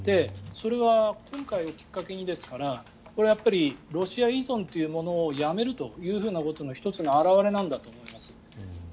それは今回をきっかけにですからこれはやっぱりロシア依存というものをやめるというふうなことの１つの表れなんだと思います。